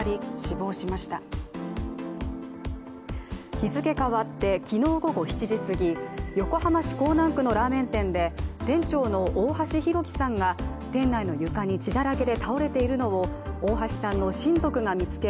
日付変わって昨日午後７時すぎ横浜市港南区のラーメン店で店長の大橋弘輝さんが店内の床に血だらけで倒れているのを大橋さんの親族が見つけ